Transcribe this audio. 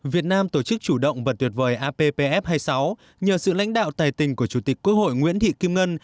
việt nam tổ chức chủ động và tuyệt vời appf hai mươi sáu nhờ sự lãnh đạo tài tình của chủ tịch quốc hội nguyễn thị kim ngân